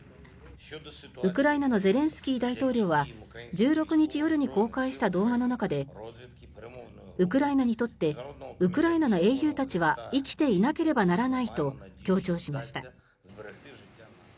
ウクライナのゼレンスキー大統領は１６日夜に公開した動画の中でウクライナにとってウクライナの英雄たちは生きていなければならないと強調しました。